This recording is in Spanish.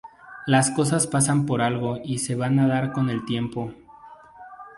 Las cosas pasan por algo y se van a dar con el tiempo.